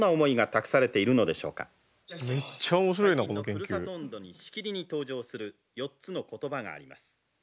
最近のふるさと音頭にしきりに登場する４つの言葉があります